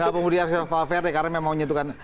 pemudian renzo valverde karena memang menyentuhkan